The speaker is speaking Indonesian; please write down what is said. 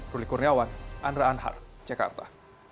ruli kurniawan andra anhar jakarta